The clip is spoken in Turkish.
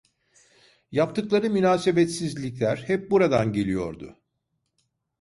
Yaptıkları münasebetsizlikler hep buradan geliyordu.